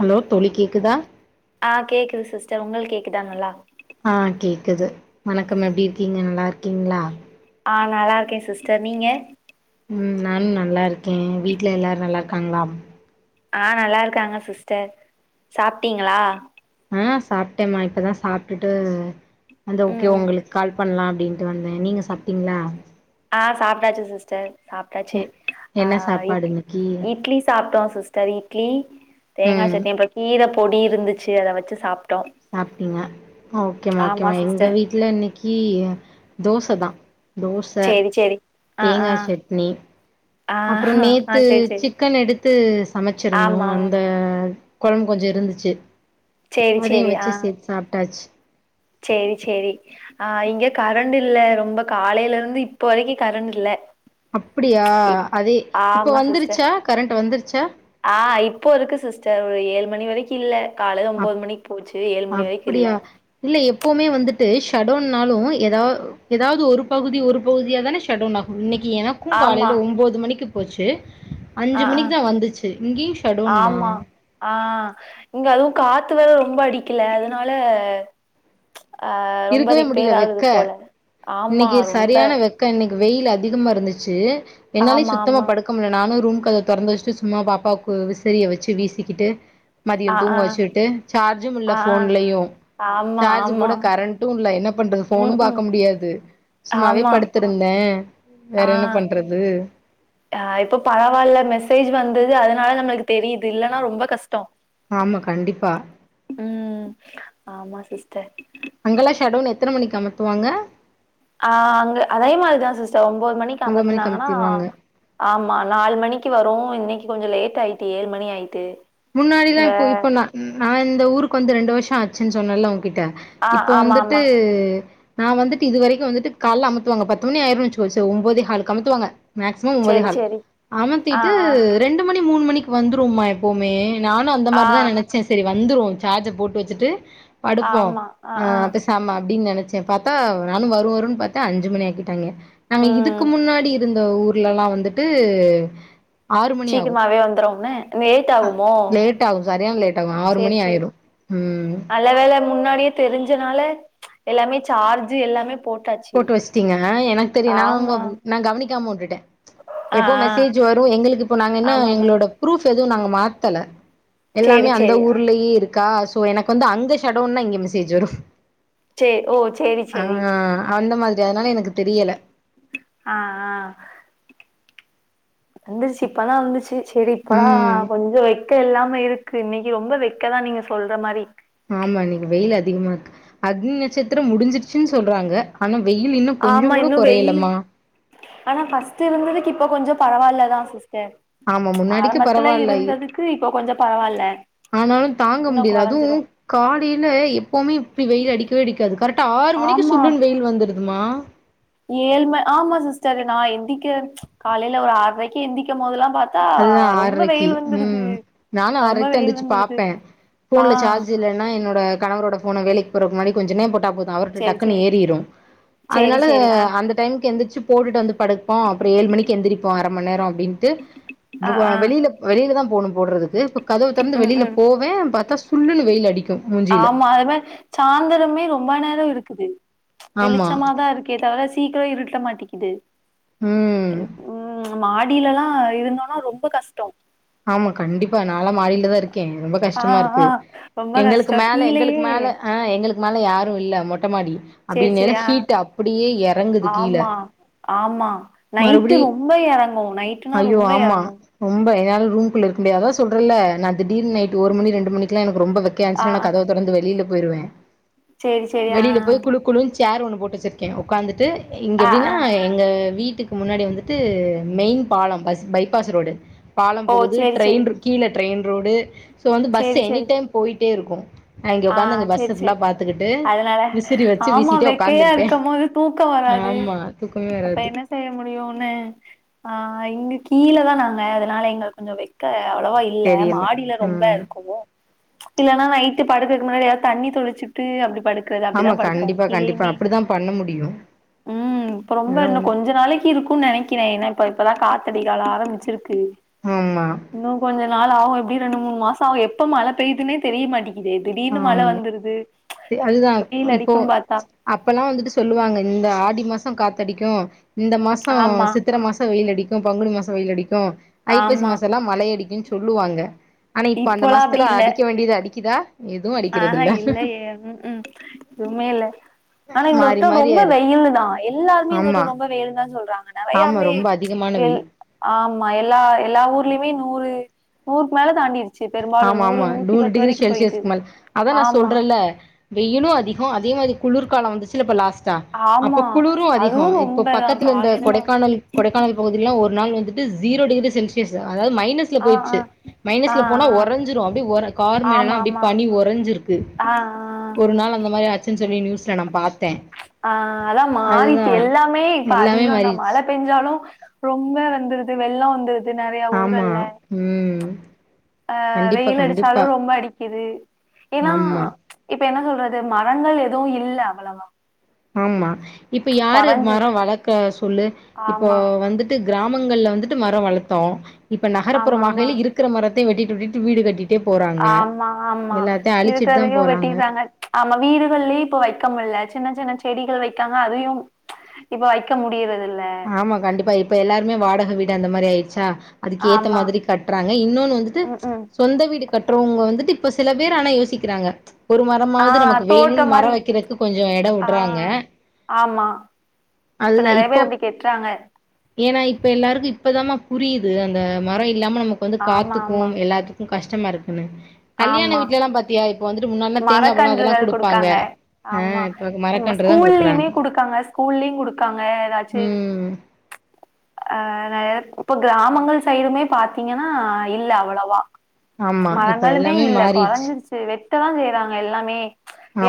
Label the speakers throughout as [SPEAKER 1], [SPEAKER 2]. [SPEAKER 1] Hello தோழி கேக்குதா
[SPEAKER 2] அ கேக்குது சிஸ்டர் உங்களுக்கு கேக்குதா நல்லா
[SPEAKER 1] ஆ கேக்குது வணக்கம் எப்டி இருக்கீங்க நல்லா இருக்கீங்களா
[SPEAKER 2] அ நல்லா இருக்கே சிஸ்டர் நீங்க
[SPEAKER 1] ம் நானு நல்லா இருக்கே வீட்ல எல்லாரு நல்லா இருக்காங்களா
[SPEAKER 2] அ நல்லா இருக்காங்க சிஸ்டர் சாப்ட்டீங்களா
[SPEAKER 1] அ சாப்ட்டேமா இப்பதா சாப்டுட்டு அந்த ஓகே
[SPEAKER 2] ம்
[SPEAKER 1] உங்களுக்கு கால் பண்லா அப்டின்ட்டு வந்தே நீங்க சாப்ட்டீங்க்ளா
[SPEAKER 2] அ சாப்ட்டாச்சு சிஸ்டர்
[SPEAKER 1] எ
[SPEAKER 2] சாப்ட்டாச்சு அ
[SPEAKER 1] என்ன சாப்பாடு
[SPEAKER 2] இட்
[SPEAKER 1] இன்னைக்கி
[SPEAKER 2] இட்லி சாப்ட்டோ சிஸ்டர் இட்லி தேங்கா
[SPEAKER 1] ம்
[SPEAKER 2] சட்னி இந்த கீர பொடி இருந்துச்சு அத வச்சு சாப்
[SPEAKER 1] சாப்ட்டீங்க ஓகேமா
[SPEAKER 2] ஆமா
[SPEAKER 1] ஓகேமா எங்க
[SPEAKER 2] சிஸ்டர்
[SPEAKER 1] வீட்ல இன்னிக்கி தோச தா தோச
[SPEAKER 2] சேரி சேரி ஆ ஆ
[SPEAKER 1] தேங்கா சட்னி
[SPEAKER 2] ஆ
[SPEAKER 1] அப்புறோ
[SPEAKER 2] ஆ
[SPEAKER 1] நேத்து
[SPEAKER 2] சேரி சேரி
[SPEAKER 1] சிக்கன் எடுத்து சமச்சிருந்தோ
[SPEAKER 2] ஆமா ஆமா
[SPEAKER 1] அந்த கொழம்பு கொஞ்சோ இருந்துச்சு
[SPEAKER 2] சேரி
[SPEAKER 1] அதையு
[SPEAKER 2] சேரி ஆ
[SPEAKER 1] வச்சு சேத்து சாப்ட்டாச்
[SPEAKER 2] சேரி சேரி அ இங்க கரண்ட் இல்ல ரொம்ப காலையில இருந்து இப்போ வரைக்கு கரண்ட் இல்ல
[SPEAKER 1] அப்டியா
[SPEAKER 2] இப்
[SPEAKER 1] அதே இப்ப
[SPEAKER 2] ஆமா
[SPEAKER 1] வந்துருச்சா கரண்ட் வந்துருச்
[SPEAKER 2] அ இப்போ இருக்கு சிஸ்டர் ஒரு ஏழு மணி வரைக்கு இல்ல காலைல
[SPEAKER 1] அப்
[SPEAKER 2] ஒம்போது மணிக்கு போச்சு ஏழு மணி வரைக்கு இல்ல
[SPEAKER 1] அப்டியா இல்ல எப்பவுமே வந்துட் டு ஷடோவுன்னாலு எதா எதாவது ஒரு பகுதி ஒரு பகுதியா தான ஷடோவுன் ஆகு இன்னைக் கி எனக்கு காலைல ஒம்போது மணிக்கு போச்சு
[SPEAKER 2] அ
[SPEAKER 1] அஞ்சு
[SPEAKER 2] அ
[SPEAKER 1] மணிக்கு தா வந்துச்சு இங்கேயு ஷடோன்மா
[SPEAKER 2] ஆமா ஆ இங்க அதுவு காத்து வேற ரொம்ப அடிக்குல அதனால ஆ ரொம்ப
[SPEAKER 1] இருக்கவே முடியல
[SPEAKER 2] ரிப்பேர் ஆகுது
[SPEAKER 1] வெக்க
[SPEAKER 2] போல ஆமா
[SPEAKER 1] இன்னைக்கு
[SPEAKER 2] ரொம்ப
[SPEAKER 1] சரியான வெக்க இன்னைக்கு வெயில் அதிகமா இருந்துச்சு என்னாலயே
[SPEAKER 2] ஆமா
[SPEAKER 1] சுத்தமா
[SPEAKER 2] ஆமா
[SPEAKER 1] படுக்க முல நானு ரூம் கதவ தொறந்து வச்சிட்டு சும்மா பாப்பாவுக்கு விசிறிய வெச்சு வீசிக்கிட்டு மதியொ
[SPEAKER 2] ஆ ஆ
[SPEAKER 1] தூங்க வெச்சுட்டு சார்ஜும் இல்ல
[SPEAKER 2] ஆ
[SPEAKER 1] ஃபோன்லயு
[SPEAKER 2] ஆ ஆமா
[SPEAKER 1] சார்ஜ்
[SPEAKER 2] ஆமா
[SPEAKER 1] போட கரண் டுல்ல என்ன பண்றது
[SPEAKER 2] ம்
[SPEAKER 1] ஃபோனு
[SPEAKER 2] ம்
[SPEAKER 1] பாக்க முடியாது சும்மாவே
[SPEAKER 2] ஆமா
[SPEAKER 1] படுத்துருந்தே
[SPEAKER 2] ஆ
[SPEAKER 1] வேற என்ன பண்றது
[SPEAKER 2] ஆ இப்போ பரவால்ல மெசேஜ் வந்தது அதனால நம்மளுக்கு தெரியுது இல்லன்னா ரொம்ப கஷ்
[SPEAKER 1] ஆமா கண்டிப்பா
[SPEAKER 2] ம் ஆமா சிஸ்டர்
[SPEAKER 1] அங்கெல்லா ஷடவுன் எத்தன மணிக்கு அமத்துவாங்க
[SPEAKER 2] ஆ அங்க அதே மாரிதா சிஸ் டர் ஒன்பது மணிக்கு
[SPEAKER 1] ஒம்போது
[SPEAKER 2] அமத்துனாங்கன்னா
[SPEAKER 1] அமத்திருவாங்க
[SPEAKER 2] ஆமா நாலு மணிக்கு வரு இன்னைக் கி கொஞ்ச லேட் ஆயிட்டு ஏழு மணி ஆயிட்டு
[SPEAKER 1] முன்னாடில்லா
[SPEAKER 2] இங்க
[SPEAKER 1] இப்பொ இப்பொ நா நா இந்த ஊருக்கு வந்து ரெண்டு வருஷொ ஆச்சுன்னு சொன்னேல்ல உங் கிட்ட
[SPEAKER 2] ஆ
[SPEAKER 1] இப்ப
[SPEAKER 2] ஆமா
[SPEAKER 1] வந்துட்டு
[SPEAKER 2] ஆமா
[SPEAKER 1] நா வந்துட்டு இது வரைக்கு வந்துட்டு கால அமுத்துவாங்க பத்து மணி ஆயிரு வச்சுக்கோங் சோ ஒன்பதே ஹாலுக்கு அமுத்துவாங்க மேக்சிமம்
[SPEAKER 2] சேரி
[SPEAKER 1] ஒன்பதேஹால்
[SPEAKER 2] சேரி ஆ
[SPEAKER 1] அமுத்திட்டு
[SPEAKER 2] ஆ
[SPEAKER 1] ரெண்டு மணி மூணு மணிக்கு வந்துரும்மா எப்பவுமே நானு அந்த
[SPEAKER 2] ஆ
[SPEAKER 1] மாரிதா நெனச்சே செரி வந்துரு சார்ஜ் போட்டு வெச்சுட்டு படுப்போம் ஆ அப்ப பெசமா அப்படின்னு நினைச் ச பாத்தா நானும் வரும் வரும்ன்னு பார்த்தேன் அஞ்சு மணி ஆக்கிட்டாங்க நாங்க இதுக்கு
[SPEAKER 2] ம்
[SPEAKER 1] முன்னாடி இருந்த ஊர்லல்லா வந்துட்டு ஆறு மணி ஆகு
[SPEAKER 2] சீக்கிரமாவே வந்துரும்ோம்ு லோட் ஆகும்
[SPEAKER 1] லேட் ஆகும் சரியான லேட் ஆகும் ஆறு மணி
[SPEAKER 2] சேரி
[SPEAKER 1] ஆயிரும்
[SPEAKER 2] நல்ல வேலை முன்னாடியே தெரிஞ்சனால எல்லாமே சார்ஜ் எல்லாமே போட்
[SPEAKER 1] போட்டு வச்சுட்டீங்க எனக்கு தெரியு நான் உங்க நான் கவனிக்காம உட்டுட்டே
[SPEAKER 2] ஆ
[SPEAKER 1] எப்போ
[SPEAKER 2] ஆ
[SPEAKER 1] மெசேஜ் வரும் எங்களுக்கு இப்போ நாங்க என்ன
[SPEAKER 2] ஆமா ஆமா
[SPEAKER 1] எங்களோட ப்ரூஃப் எதுவும் நாங்க மாத்தல எல்லாமே
[SPEAKER 2] சேரி
[SPEAKER 1] அந்த
[SPEAKER 2] சேரி ஆ
[SPEAKER 1] ஊர்லயே இருக்கா சோ எனக்கு வந்து அங்க சடவுன்னா இங்க மெசேஜ் வரும்
[SPEAKER 2] சரி ஓ சரி சரி
[SPEAKER 1] அந்த மாதிரி அதனால எனக்கு தெரியல
[SPEAKER 2] ஆ வந்துச்சு இப்பதான் வந்துச்சு சரி இப்பல்லா
[SPEAKER 1] ம்
[SPEAKER 2] கொஞ்சம் வை வெக்க எல்லாம இருக்கு இன்னைக்கு ரொம்ப வெக்கதான் நீங்க சொல்ற மாரி
[SPEAKER 1] ஆமா இன்னைக்கு வெயில் அதிகமா இருக்கு அக்னி நட்சத்திரம் முடிஞ்சிிருச்சுன்னு சொல்றாங்க ஆனா வெயில் இன்னும்
[SPEAKER 2] ஆமா
[SPEAKER 1] கொஞ்சம் கூட
[SPEAKER 2] இன்னு வெயிலு
[SPEAKER 1] குறையலமா
[SPEAKER 2] ஆனா பஃர்ஸ்ட் இருந்ததுக்கு இப்ப கொஞ்சம் பரவால்லதான் சிஸ் டர்
[SPEAKER 1] ஆமா முன்னாடிக்கு
[SPEAKER 2] ஆரம்பத்துல
[SPEAKER 1] பரவால்ல
[SPEAKER 2] இருந்ததுக்கு இப்போ கொஞ்ச பரவால
[SPEAKER 1] ஆனாலும் தாங்க முடியாது அதுவும் காலையில எப்பவுமே இப்படி வெயில் அடிக்கவே அடிக்காது கரெக்ட ஆறு மணிக்கு
[SPEAKER 2] ஆமா
[SPEAKER 1] சுல்லுன்னு வெயில் வந்துருதுமா
[SPEAKER 2] ஏழ்ம ஆமா சிஸ்டர் நான் எந்திக்கன் காலையில ஒரு ஆறரைக்கு எந்திக்கும் போதெல்லாம் பான்
[SPEAKER 1] அதுதான் ஆறரைக்கு ம் நானும்
[SPEAKER 2] ரொம்ப
[SPEAKER 1] ஆறரைக்கு த
[SPEAKER 2] வெயில்
[SPEAKER 1] இருந்தச்சு
[SPEAKER 2] வந்துருது
[SPEAKER 1] பார்ப்பே
[SPEAKER 2] ஆ
[SPEAKER 1] போன்ல சார்ஜ் இல்ன்ன என்னோட கணவரோட போனை வேலைக்கு போற முன்னாடி கொஞ்ச நேர போட்டா போதும் அவர்கிட்ட
[SPEAKER 2] சேரி
[SPEAKER 1] டக்குன்னு
[SPEAKER 2] சேரி
[SPEAKER 1] ஏறிிரும்
[SPEAKER 2] சேரி
[SPEAKER 1] அதனால
[SPEAKER 2] சேரி ஆ
[SPEAKER 1] அந்த டைமுக்கு எந்திரச்சு போட்டுட்டு வந்து படுப்போம் அப்புறம் ஏழு மணிக்கு எந்திரிப்போ அரமணி நேரம் அப்படின்ட்டு
[SPEAKER 2] ஆ ஆ
[SPEAKER 1] வெளியில வெளியில தான் போணும் போடுறதுக்கு இ கதவு திறந்து
[SPEAKER 2] ம்
[SPEAKER 1] வெளியில
[SPEAKER 2] ம்
[SPEAKER 1] போவேன் பாத்தா சுல்லனு வெயில் அடிக்கு மூஞ்சில
[SPEAKER 2] ஆமா அது மா சாயந்திரமே ரொம்ப நேரம் இருக்குது
[SPEAKER 1] ஆமா
[SPEAKER 2] வெளிச்சமாதான் இருக்கே தவிர சீக்கிரம் இருட்ட மாட்டேக்குிது
[SPEAKER 1] ம்
[SPEAKER 2] நம்ம மாடியிலல்லா இருந்தோனா ரொம்ப கஷ்ட
[SPEAKER 1] ஆமா கண்டிப்பா நாலா மாடியிலதா இருக் கே ரொம்ப
[SPEAKER 2] ஆ
[SPEAKER 1] கஷ்டமா
[SPEAKER 2] ஆ
[SPEAKER 1] இருக்கு
[SPEAKER 2] ரொம்ப
[SPEAKER 1] எங்களுக்கு
[SPEAKER 2] கஷ்டோ
[SPEAKER 1] மேல எங்களுக்கு
[SPEAKER 2] கீழயே
[SPEAKER 1] மேல எங்களுக்கு மேல யாரு இல்ல மொட் மொட்ட மாடி
[SPEAKER 2] சேரி சேரி
[SPEAKER 1] அப்டினு
[SPEAKER 2] ஆ
[SPEAKER 1] ஹீட்டு அப்படியே எறங்குது கீழ
[SPEAKER 2] ஆமா ஆமா நைட்டு
[SPEAKER 1] மறுபடி
[SPEAKER 2] ரொம்ப எறங்கு நைட்டுனா ரொம்ப எறங்கு
[SPEAKER 1] யாரு ரூம்க்குள்ள இருக்க முடியாதோ சொல்றேல்ல நா திடீர்னு நைட்டு ஒரு மணி ரெண்டு மணிக்கெல்லா என ரொம்ப
[SPEAKER 2] ஆ
[SPEAKER 1] வெக்கயாஞ்சுனா நா
[SPEAKER 2] ஆ
[SPEAKER 1] கதவ தொறந்து வெளியில போயிருவே
[SPEAKER 2] சேரி சேரி ஆ
[SPEAKER 1] வெளியில போய் குழு குழுன்ச் சேர் ஒண்ணு போட்டு வச்சிருக்கே உக்காந்துட்டு இங்க
[SPEAKER 2] ஆ ஆ
[SPEAKER 1] எப்டின்னா எங்க வீட்டு வீட்டுக்கு முன்னாடி வந்துட்டு மெயின் பாலம் பஸ் பைபாஸ் ரோடு பா
[SPEAKER 2] ஓ
[SPEAKER 1] போது
[SPEAKER 2] சேரி
[SPEAKER 1] ட்ரெயின்
[SPEAKER 2] சேரி
[SPEAKER 1] கீழே ட்ரெயின் ரோடு சோ வந்து பஸ்
[SPEAKER 2] சேரி
[SPEAKER 1] எனி
[SPEAKER 2] சேரி
[SPEAKER 1] டைம் போயிட்டே இருக்கு நா இங்க
[SPEAKER 2] ஆ
[SPEAKER 1] உக்காந்து அங்க
[SPEAKER 2] சேரி
[SPEAKER 1] பஸ்ஸ ஃபுல்லா
[SPEAKER 2] சேரி
[SPEAKER 1] பாத்துக்கிட்டு
[SPEAKER 2] அதனால
[SPEAKER 1] விசிறி வச்சு
[SPEAKER 2] ஆமா
[SPEAKER 1] வீசிட்டே
[SPEAKER 2] வெக்கையா
[SPEAKER 1] உக்காந்துருப்பே
[SPEAKER 2] இருக்கம் போது தூக்க வராது
[SPEAKER 1] ஆமா தூக்கமே
[SPEAKER 2] அது அப்ப
[SPEAKER 1] வராது
[SPEAKER 2] என்ன செய்ய முடியுன்னு ஆ இங்க கீழ தா நாங்க அதனால எங்களுக்கு கொஞ்ச வெக்க அவ்வளவா இல்ல
[SPEAKER 1] தெரியல
[SPEAKER 2] மாடியில ரொம்ப
[SPEAKER 1] ம்
[SPEAKER 2] இருக்கு ச் இல்லன்னா நைட்டு படுக்குற்க்கு முன்னாடி ஏதாவது தண்ணி தொளிச்சுட்டு அப்டி படுக்கறது அப்படிதா
[SPEAKER 1] ஆமா
[SPEAKER 2] படுப்போ
[SPEAKER 1] கண்டிப்பா கண்டிப்பா
[SPEAKER 2] கீழயுமே
[SPEAKER 1] அப்டிதா பண்ண முடியு
[SPEAKER 2] ம் இப்ப ரொம்ப
[SPEAKER 1] அதெல்லா
[SPEAKER 2] இன்னு
[SPEAKER 1] ஒண்ணு
[SPEAKER 2] கொஞ்ச நாளைக்கு இருக்குன்னு நெனைக்கிறே ஏன்னா இப்ப இப்பதா காத்தடிக் கால ஆரம்பிச்சிருக்கு
[SPEAKER 1] ஆமா
[SPEAKER 2] இன்னு கொஞ்ச நாள் ஆகு எப்படியு ரெண்டு மூணு மாச ஆகு எப்ப மழை பெய்யுதுன்னே தெரிய மாட்டிக்குதே திடீர்னு மழை
[SPEAKER 1] ஆமா
[SPEAKER 2] வந்துருது
[SPEAKER 1] அதுதா
[SPEAKER 2] வெயில்
[SPEAKER 1] இப்போ
[SPEAKER 2] அடிக்குன் பாத்தா
[SPEAKER 1] அப்பெல்லா வந்துட்டு சொல்லுவாங்க இந்த ஆடி மாச ம் காத்தடிக்கு இந்த மாச
[SPEAKER 2] ஆமா
[SPEAKER 1] சித்திரை மாச வெயில் அடிக்கு பங்குனி மாச வெயில் அடிக் கு ஐப்பசி
[SPEAKER 2] ஆமா
[SPEAKER 1] மாசல்லா மழை அடிக்குன்னு சொல்லுவாங்க ஆனா இப்ப அந்த மாசத்துல அடிக்க வேண்டியது அடி
[SPEAKER 2] ஆஹ இல்லையே ம் ம் உண்மையே இல்ல ஆனா இந்த
[SPEAKER 1] மாறி
[SPEAKER 2] வட்ட
[SPEAKER 1] மாறி
[SPEAKER 2] ரொம்ப
[SPEAKER 1] ஆயிருது
[SPEAKER 2] வெயில்லு தா எல்லாருமே இந்த
[SPEAKER 1] ஆமா
[SPEAKER 2] வட்ட ரொம்ப வெயில்லுனுதா சொல்றாங்க
[SPEAKER 1] ஆமா
[SPEAKER 2] நெறையாவே
[SPEAKER 1] ரொம்ப அதிகமான
[SPEAKER 2] எல்
[SPEAKER 1] வெயில்
[SPEAKER 2] ஆமா எல்லா எல்லா ஊர்லிமே நூறு நூறுக்கு மேல தாண்டிற்
[SPEAKER 1] ஆமா ஆமா நூறு டிகிரி செல்சியஸ்கு மேல அதா நா
[SPEAKER 2] ஆமா
[SPEAKER 1] சொல்றேல்ல வெயிலு அதிக அதே மாதிரி குளுர்க்கலா வந்துச்சுல்ல இப்ப லாஸ் ட்டா அப்ப
[SPEAKER 2] ஆமா
[SPEAKER 1] குளுரு அதிக
[SPEAKER 2] அதுவு
[SPEAKER 1] இப்ப
[SPEAKER 2] ரொம்பதா
[SPEAKER 1] பக்கத்தில இந்த
[SPEAKER 2] காலைலலா
[SPEAKER 1] கொடைக்கானல் கொடைக்கானல் பகுதில்லா ஒரு நாள் வந்துட் டு ஜீரோ டிகிரி சென்சியஸ் அதாவது மைனஸ்ல
[SPEAKER 2] ஆ ஆ
[SPEAKER 1] போயிருச்சு
[SPEAKER 2] ஆ
[SPEAKER 1] மைனஸ்ல போ போனா
[SPEAKER 2] ஆ
[SPEAKER 1] உறஞ்சிரு அப்டே உற கார் மேல எல்லா
[SPEAKER 2] ஆமா
[SPEAKER 1] அப்டி
[SPEAKER 2] ஆமா
[SPEAKER 1] பனி உறைஞ்சிருக்கு
[SPEAKER 2] ஆ ஆ
[SPEAKER 1] ஒரு நாள் அந்த மாரி ஆச்சுன்னு சொல்லி நியூஸ்ல நா பாத்தே
[SPEAKER 2] ஆ அதா
[SPEAKER 1] அதுதா
[SPEAKER 2] மாறிட்டு எல்லாமே இப்ப
[SPEAKER 1] எல்லாமே
[SPEAKER 2] அதிகந்தா
[SPEAKER 1] மாறிடுச்சு
[SPEAKER 2] மழை பெய்ஞ்சாலு ரொம்ப வந்துருது வெள்ள வந்துருது நிறைய
[SPEAKER 1] ஆமா
[SPEAKER 2] ஊர்கள்ல
[SPEAKER 1] ம்
[SPEAKER 2] அ
[SPEAKER 1] கண்டிப்பா
[SPEAKER 2] வெயில் அடிச்சாலு
[SPEAKER 1] கண்டிப்பா
[SPEAKER 2] ரொம்ப அடிக்கிது ஏன்னா
[SPEAKER 1] ஆமா
[SPEAKER 2] இப் இப்ப என்ன சொல்றது மரங்கள் எதுவு இல்ல அவ்வலாவ
[SPEAKER 1] ஆமா இப்ப யாரு மர வளக்க சொல்லு இப்போ
[SPEAKER 2] ஆமா
[SPEAKER 1] வந்துட்டு கிராம் மங்கள்ல வந்துட்டு மரவளத்தோ இப்ப
[SPEAKER 2] ஆமா ஆமா
[SPEAKER 1] நகர்புறமாகையில இருக்கிற மரத்தையு வெட்டிட்டு வெட்டிட்டு வீடு கட்டிட்டு
[SPEAKER 2] ஆமா ஆமா
[SPEAKER 1] அழிச்சிட்டு தான்
[SPEAKER 2] இருக்கதையு
[SPEAKER 1] போறாங்க.
[SPEAKER 2] வெட்டிற்றாங்க ஆமா வீடுகள்லயு இப்ப வைக்க முடில சின்ன சின்ன செடிகள் வைக்காங்க அதையு இப்ப வைக்க முடியறதில்ல
[SPEAKER 1] ஆமா கண்டிப்பா இப்ப எல்லாருமே வாடக வீடு அந்த மாரி ஆயிடுச்சா அதுக்கு ஏத்த
[SPEAKER 2] ஆமா
[SPEAKER 1] மாதிரி கட்டுறாங்க இன்னொன்னு வந்துட்டு
[SPEAKER 2] ம் ம்
[SPEAKER 1] சொந்த வீடு கட்டுறவங்க வந்துட்டு இப்ப சில பேர் ஆனா யோசிக்கிறாங்க ஒரு
[SPEAKER 2] ஆ
[SPEAKER 1] மரமாவது நமக்கு
[SPEAKER 2] தோட்டோ
[SPEAKER 1] வேணுன்னு மர
[SPEAKER 2] மாரி
[SPEAKER 1] வைக்கிறக்கு கொஞ்ச இட
[SPEAKER 2] ஆ
[SPEAKER 1] விடுறாங்க
[SPEAKER 2] ஆமா இப்ப
[SPEAKER 1] அதுதான்
[SPEAKER 2] நிறைய பேர்
[SPEAKER 1] இப்போ
[SPEAKER 2] அப்படி கெட்றாங்க
[SPEAKER 1] ஏன்னா இப்ப எல்லாருக்கு இப்பதா மா புரிது அந்த மர இல்லாம நமக்கு வந்து
[SPEAKER 2] ஆமா ஆமா
[SPEAKER 1] காத்துக்கும் எல்லாத்துக்கு கஷ்டமா இருக்குன்னு கல்யாண
[SPEAKER 2] ஆமா
[SPEAKER 1] வீடல எல்லாம் பாத்தியா வந்துட்டு முன்னாடிலாம் தேங்கா பழம் அதெல்லாம்
[SPEAKER 2] மரக்கன்றுகள்
[SPEAKER 1] குடுப்பாங்க.
[SPEAKER 2] குடுக்காங்க
[SPEAKER 1] ஆ
[SPEAKER 2] ஆமா
[SPEAKER 1] இப்ப
[SPEAKER 2] நம்ம
[SPEAKER 1] மரக்கன்று தான் குடுக்குறாங்க.
[SPEAKER 2] ஸ்கூல்லியுமே குடுக்காங்க ஸ்கூ ஸ்கூல்லையு குடுக்காங்க ஏதாச்சி
[SPEAKER 1] ம்.
[SPEAKER 2] அ [unintelligible] இப்ப கிராமங்கள் சைடுமே பாத்தீங்கன்னா இல்ல அவ்வளவா
[SPEAKER 1] ஆமா. இப்ப
[SPEAKER 2] மரங்களுமே
[SPEAKER 1] எல்லாமே
[SPEAKER 2] இல்ல
[SPEAKER 1] மாறிருச்சு.
[SPEAKER 2] குறஞ்சிருச்சி வெட் ட செய்யறாங்க எல்லாமே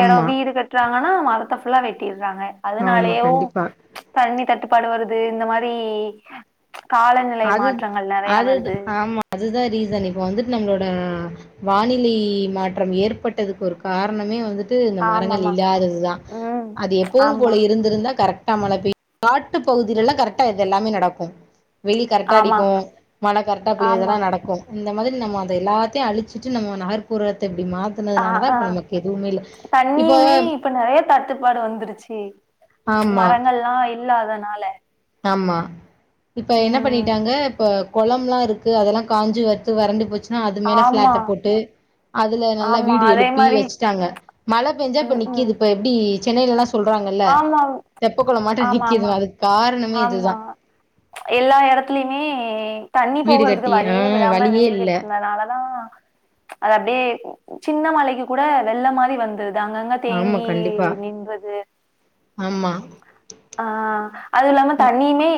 [SPEAKER 2] இடம் வீடு கட்டுறாங்கன்னா மரத்தை புல்லா வெட்டிரு றாங்க
[SPEAKER 1] ஆமா.
[SPEAKER 2] அதனாலேயோ
[SPEAKER 1] கண்டிப்பா.
[SPEAKER 2] தண்ணி தட்டுப்பாடு வருது இந்த மாரி காலநிலை
[SPEAKER 1] அது
[SPEAKER 2] மாற்றங்கள் நிறைய வருது
[SPEAKER 1] ப்ப வந்துட்டு நம்மளோட வானிலை மாற்றம் ஏற்பட்டதுக்கு ஒரு காரணமே வந்துட்டு இந்த மரங்கள்
[SPEAKER 2] ஆமாமா.
[SPEAKER 1] இல்லாததுதான்
[SPEAKER 2] ம்.
[SPEAKER 1] அது எப்பவும்
[SPEAKER 2] ஆமா,
[SPEAKER 1] போல இருந்திருந்தா கரெக்ட் நம்மள வே காட்டு பகுதில எல்லாம் கரெக்டா இது எல்லாமே நடக்கு வெயில் கரெக்டா
[SPEAKER 2] ஆமா,
[SPEAKER 1] அடிக்கும் மழை கரெக்டா
[SPEAKER 2] ஆமா.
[SPEAKER 1] பெயரதெல்லாம் நடக்கு இந்த மாதிரி நம்ம அதை எல்லாத்தையும் அழிச்சிட்டு நம்ம நகர்ப்புறத்தை
[SPEAKER 2] ஆ ஆ
[SPEAKER 1] இப்ப
[SPEAKER 2] தண்ணியுமே இப்ப நிறைய தட்டுப்பாடு வந்துருச்சு
[SPEAKER 1] ஆமா
[SPEAKER 2] மரங்கள் எல்லாம் இல்லாதனால
[SPEAKER 1] ஆமா இப்ப என்ன
[SPEAKER 2] ம்.
[SPEAKER 1] பண்ணிட்டாங்க இப்ப கொலம்லா இருக்கு அதெல்லாம் காஞ்சு வறுத்து வறண்டி போச்சு அது மேல
[SPEAKER 2] ஆமா,
[SPEAKER 1] பிளாட்ட போட்டு அதுல நல்லா
[SPEAKER 2] ஆமா.
[SPEAKER 1] வீடு
[SPEAKER 2] அதே
[SPEAKER 1] எழுப்பி
[SPEAKER 2] மாரி
[SPEAKER 1] வச்சுட்டாங்க மழை பேஞ்சா இப்ப
[SPEAKER 2] ம்ஹ்ம்.
[SPEAKER 1] நிக்குது இப்ப எப்படி சென்னையிலல்லாம் சொல்றாங்கல்ல
[SPEAKER 2] ஆமா.
[SPEAKER 1] தெப்ப குள மாட்ட நிக்கது
[SPEAKER 2] ஆமாமா.
[SPEAKER 1] அதுக்கு காரணமே
[SPEAKER 2] ஆமா.
[SPEAKER 1] இதுதான்
[SPEAKER 2] எல்லா இடத்துலயுமே தண்ணி
[SPEAKER 1] வீடு
[SPEAKER 2] போகறதுக்கு
[SPEAKER 1] கட்டி ஆ
[SPEAKER 2] வழியே விடாம
[SPEAKER 1] வழியே
[SPEAKER 2] வீடு
[SPEAKER 1] இல்ல
[SPEAKER 2] கட்டுனா நாலதா அது அப்படியே சின்ன மலைக்கு கூட வெள்ள மாதிரி வந்து அங்கங்க
[SPEAKER 1] ஆமா
[SPEAKER 2] தேங்கி
[SPEAKER 1] கண்டிப்பா
[SPEAKER 2] நின்றது
[SPEAKER 1] ஆமா
[SPEAKER 2] ஆ அது இல்லாம தண்ணியுமே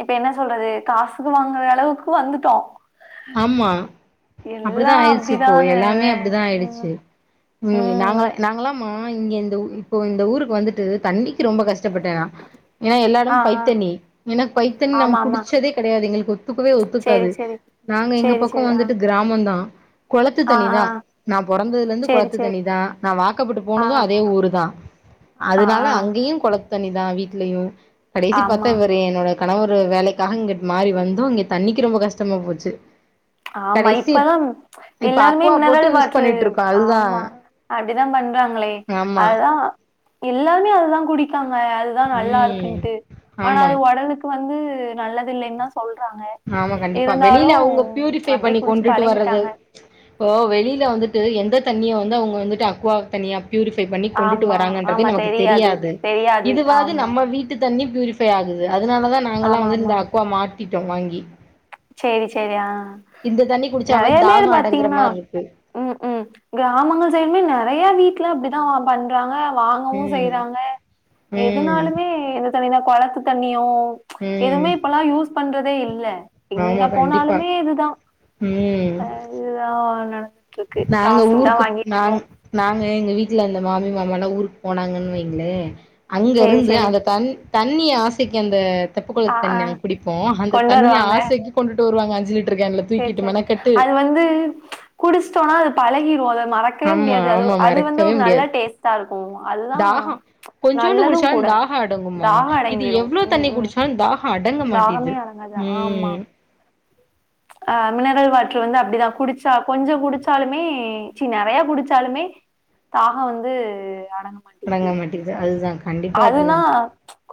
[SPEAKER 2] இப்ப என்ன சொல்றது காசுக்கு வாங்கறளவுக்கு வந்துட்டோ
[SPEAKER 1] ஆமா
[SPEAKER 2] எல்லா
[SPEAKER 1] அப்படித்தா ஆயிடுச்சு இப்போ
[SPEAKER 2] அப்டிதான
[SPEAKER 1] எல்லாமே அப்படிதா
[SPEAKER 2] ம்
[SPEAKER 1] ஆயிடுச்சு ம் நாங்கள நாங்களாமா இங்க இந்த இப்போ இந்த ஊருக்கு வந்துட்டு தண்ணி ரொம்ப கஷ்டபட்டே நா ஏன்னா எல்லா
[SPEAKER 2] ஆ
[SPEAKER 1] எடமு
[SPEAKER 2] ஆ
[SPEAKER 1] பைப்தண்ணி எனக் பைப்தண்ணி நாங்க
[SPEAKER 2] ஆமா ஆமா
[SPEAKER 1] குடுச்சதே கெடையாது எங்களுக்கு ஒத்துக்கவே
[SPEAKER 2] சேரி
[SPEAKER 1] ஒத்துக்காது
[SPEAKER 2] சேரி
[SPEAKER 1] நாங்க எங்க
[SPEAKER 2] சேரி
[SPEAKER 1] பக்கோ
[SPEAKER 2] சேரி ஆ
[SPEAKER 1] வந்துட்டு கிராமோதா குளத்து
[SPEAKER 2] ஆ
[SPEAKER 1] தண்ணி தா
[SPEAKER 2] ஆ
[SPEAKER 1] நா பொறந்ததுல இருந்து
[SPEAKER 2] சேரி
[SPEAKER 1] குளத்து
[SPEAKER 2] சேரி
[SPEAKER 1] தண்ணி தா நா வாக்கப்பட்டு
[SPEAKER 2] ஆ
[SPEAKER 1] போனது அதே ஊரு தா
[SPEAKER 2] ஆ
[SPEAKER 1] அதுனால
[SPEAKER 2] ஆ
[SPEAKER 1] அங்கயு குளத்து தண்ணிதா வீட்லயு கடேசி பாத்தா
[SPEAKER 2] ஆமா
[SPEAKER 1] இவரு என்னோட கணவரு வேலைக்காக இங்குட் மாறி வந்தோ இங்க தண்ணிக்கி ரொம்ப கஷ்டமா போச்சு
[SPEAKER 2] ஆமா
[SPEAKER 1] கடைசி
[SPEAKER 2] இப்பதா
[SPEAKER 1] இப்ப
[SPEAKER 2] எல்லாருமே
[SPEAKER 1] அக்வா போட்டு
[SPEAKER 2] மினரல்
[SPEAKER 1] யூஸ்
[SPEAKER 2] வாட்ரு
[SPEAKER 1] பண்ணிட்டு இருக்கோ அதுதா
[SPEAKER 2] ஆமா அப்டிதா பண் பண்றாங்களே
[SPEAKER 1] ஆமா
[SPEAKER 2] அதுதா எல்லாருமே அதுதா குடிக்காங்க அதுதா நல்லா
[SPEAKER 1] ம்
[SPEAKER 2] இருக்குன்ட்டு ஆனா
[SPEAKER 1] ஆமா
[SPEAKER 2] அது ஒடலுக்கு வந் வந்து நல்லது இல்லைன் தா சொல்றாங்க இருந்தாலு
[SPEAKER 1] பே பண்ணி கொண்டுட்டு வர்றது இப்போ வெளில வந்துட்டு எந்த தண்ணிய வந்து அவுங்க வந்துட்டு அக்குவா தண்ணியா பியூரிஃபை பண்ணி கொண்டுட்டு
[SPEAKER 2] ஆமா
[SPEAKER 1] வராங்கன்றதே
[SPEAKER 2] ஆமா
[SPEAKER 1] நமக்கு தெரியாது
[SPEAKER 2] தெரியாது
[SPEAKER 1] இதுவாது
[SPEAKER 2] ஆமா
[SPEAKER 1] நம்ம வீட்டு தண்ணி பூரிஃபை ஆகுது அதுனாலதா நாங்கல்லா
[SPEAKER 2] ஆமா
[SPEAKER 1] வந்து
[SPEAKER 2] ஆமா
[SPEAKER 1] இந்த அக்குவா மாட்டிட்டோ வாங்கி
[SPEAKER 2] சேரி சேரி ஆ
[SPEAKER 1] இந்த தண்ணி குடிச்சாவது
[SPEAKER 2] நெறைய பேர்
[SPEAKER 1] தாகோ அடங்குற
[SPEAKER 2] பாத்தீங்கன்னா
[SPEAKER 1] மாரி இருக்கு
[SPEAKER 2] ம் ம் கிராமங்கள் சைடுமே நெறையா வீட் ல அப்டிதா பண்றாங்க வாங்கவு
[SPEAKER 1] ம்
[SPEAKER 2] செய்றாங்க
[SPEAKER 1] ம்
[SPEAKER 2] எதுனாலுமே எந்த தண்ணினா கொளத்து தண்ணியு
[SPEAKER 1] ம்
[SPEAKER 2] எதுமே இப்பல்லா யூஸ் பண்றதே இல்ல எங்க
[SPEAKER 1] ஆமா கண்டிப்பா
[SPEAKER 2] போனாலுமே இதுதா
[SPEAKER 1] ம்
[SPEAKER 2] அ இதுதா நடந்துட்டு இருக்கு
[SPEAKER 1] நாங்க
[SPEAKER 2] காசுக்குதா
[SPEAKER 1] ஊருக்கு
[SPEAKER 2] வாங்கிட்டு இருக்கோ
[SPEAKER 1] நாங் நா நாங்க எங்க வீட்ல இருந்த மாமி மாமால்லா ஊருக்கு போனாங்கன் வைங்ளே அங்க
[SPEAKER 2] சேரி
[SPEAKER 1] இருந்து
[SPEAKER 2] சேரி
[SPEAKER 1] அந்த தண் தண்ணிய ஆசைக்கி அந்த
[SPEAKER 2] ஆ
[SPEAKER 1] தெப்பகுளத்து
[SPEAKER 2] ஆ
[SPEAKER 1] தண்ணி [unintelligible] குடிப்போ அந்த
[SPEAKER 2] கொண்டு
[SPEAKER 1] தண்ணிய ஆசைக்கி கொண்டுட்டு வருவாங்க அஞ்சு லிட்
[SPEAKER 2] சரி சரி அது வந்து குடுஸ்டோனா அது பழகிரு அதா
[SPEAKER 1] ஆமா ஆமா மறக்கவே முடியாது
[SPEAKER 2] டேஸ்ட்டா இருக்கு அதுதா
[SPEAKER 1] தாகோ கொஞ்சோண்டு
[SPEAKER 2] நல்லது
[SPEAKER 1] குடுச்சாலு
[SPEAKER 2] கூட
[SPEAKER 1] தாகோ அடங்குமா
[SPEAKER 2] தாகோ
[SPEAKER 1] இது
[SPEAKER 2] அடங்கிரு
[SPEAKER 1] எவ்ளோ
[SPEAKER 2] ம்
[SPEAKER 1] தண்ணி
[SPEAKER 2] ம்
[SPEAKER 1] குடுச்சாலு தாகோ அடங்க
[SPEAKER 2] தாகமே
[SPEAKER 1] மாட்டிது ம்
[SPEAKER 2] ஆ மினரல் வாட்ரு வந்து அப்டிதா குடுச்சா கொஞ்ச குடிச்சாலுமே சி நெறைய குடுச்சாலுமே தாகொ வந்து
[SPEAKER 1] அடங்க மாட்டிகிது அதுதா கண்டிப்பா
[SPEAKER 2] அதுனா
[SPEAKER 1] அப்டிதா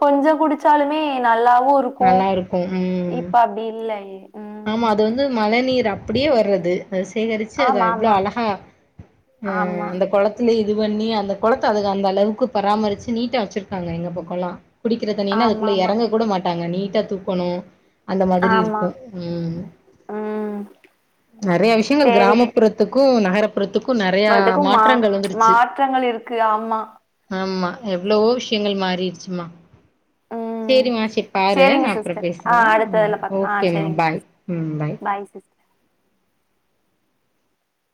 [SPEAKER 2] கொஞ்சொ குடுச்சாலுமே நல்லா வு இருக்கு
[SPEAKER 1] நல்லா இருக்கு ம்
[SPEAKER 2] இப்ப அப்டி இல்லயே ம்
[SPEAKER 1] ஆமா அது வந்து மழ நீர் அப்டியே வர்றது அத சேகரிச்சு அத
[SPEAKER 2] ஆமா
[SPEAKER 1] எவ்ளோ
[SPEAKER 2] ஆமா
[SPEAKER 1] அழகா அ
[SPEAKER 2] ஆமா
[SPEAKER 1] அந்த கொளத்துலயே இது பண்ணி அந்த கொளத்த அதுக அந்த அளவுக்கு பராமருச்சு நீட்டா வச்சுருக்காங்க எங்க பக்கோல்லா குடிக்கிற தண்ணினா அதுக்குள்ள
[SPEAKER 2] ஆமாமா
[SPEAKER 1] எறங்க கூட மாட்டாங்க நீட்டா தூக்கணு அந்த மாதிரி
[SPEAKER 2] ஆமா
[SPEAKER 1] இருக்கு ம்
[SPEAKER 2] ம்
[SPEAKER 1] நெறைய விஷ்யங்கள்
[SPEAKER 2] சேரிங்க
[SPEAKER 1] கிராமப்புறத்துக்கு நகர புறத்துக்கு நெறையா
[SPEAKER 2] இவ்ளதுக்கும் மா
[SPEAKER 1] மாற்றங்கள் வந்துருச்சு
[SPEAKER 2] மாற்றங்கள் இருக்கு ஆமா
[SPEAKER 1] ஆமா எவ்ளவோ விஷ்யங்கள் மாறிருச்சும்மா
[SPEAKER 2] ம்
[SPEAKER 1] சேரிம்மா சேர் பாரு
[SPEAKER 2] சேரிங்க
[SPEAKER 1] நா அப்றொ
[SPEAKER 2] சிஸ்டர்
[SPEAKER 1] பேசுறே
[SPEAKER 2] ஆ
[SPEAKER 1] ம்
[SPEAKER 2] அடுத்ததுல
[SPEAKER 1] ஓ
[SPEAKER 2] பாக்கலாம் ஆ
[SPEAKER 1] கே மா
[SPEAKER 2] சேரிங்க
[SPEAKER 1] பாய்
[SPEAKER 2] சிஸ்டர்
[SPEAKER 1] ம் பாய்